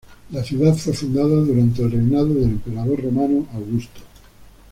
La ciudad fue fundada durante el reinado del emperador romano Augusto.